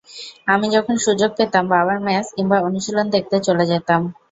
আমি যখন সুযোগ পেতাম বাবার ম্যাচ কিংবা অনুশীলন দেখতে চলে যেতাম।